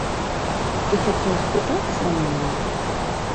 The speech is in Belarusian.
Ты хацеў спытацца ў мяне?